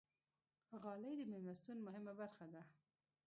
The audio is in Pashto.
غالۍ د میلمستون مهمه برخه ده.